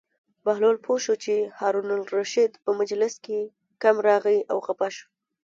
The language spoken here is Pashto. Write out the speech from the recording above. بهلول پوه شو چې هارون الرشید په مجلس کې کم راغی او خپه شو.